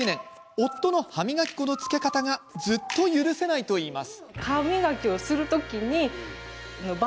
夫の歯磨き粉のつけ方がずっと許せないといいます。